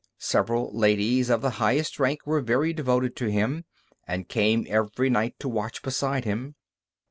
Several ladies of the highest rank were very devoted to him, and came every night to watch beside him.